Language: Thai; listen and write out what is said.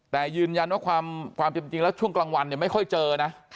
แต่ยืนยันว่าความจริงแล้วช่วงกลางวันไม่ค่อยเจอนะ